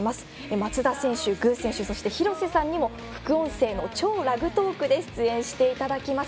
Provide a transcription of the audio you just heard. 松田選手、具選手そして廣瀬さんにも副音声の「超ラグトーク」にご出演いただきます。